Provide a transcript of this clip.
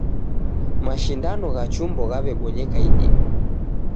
Mashindano gha chumbo ghawebonyeka idime.